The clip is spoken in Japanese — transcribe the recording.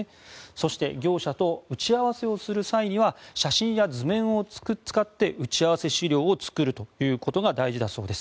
そして、業者と打ち合わせをする際には写真や図面を使って打ち合わせ資料を作ることが大事だそうです。